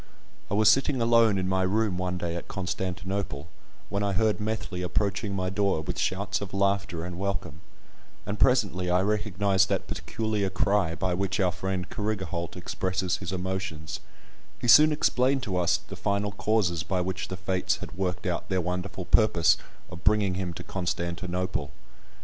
I was sitting alone in my room one day at Constantinople, when I heard Methley approaching my door with shouts of laughter and welcome, and presently I recognised that peculiar cry by which our friend Carrigaholt expresses his emotions; he soon explained to us the final causes by which the fates had worked out their wonderful purpose of bringing him to Constantinople.